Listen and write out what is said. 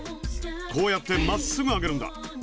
こうやってまっすぐ上げるんだ。